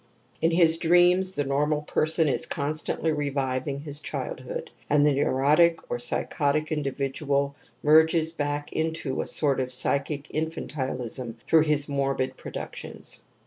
In his dreams the [normal person is constantly ^gyiving his r*hilH > lood, and the neurotic or psychotic individual \ lerges back into a sort of psychic infantilism \ ;hrough his morbid productions.